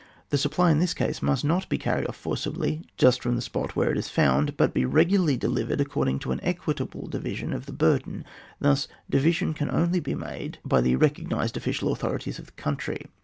The supply in this case must not be carried off forcibly just from the spot where it is found, but be regularly delivered according to an equit able division of the burden. This divi sion can only be made by the recognised official authorities of the country.